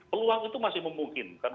peluang itu masih memungkinkan